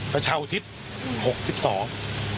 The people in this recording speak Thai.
ก็เช่าทิศหกสิบสอง